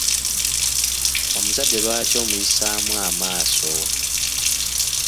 Omuzadde lwaki omuyisaamu amaaso?